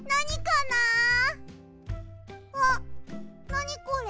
なにこれ！？